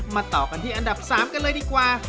ต่อกันที่อันดับ๓กันเลยดีกว่า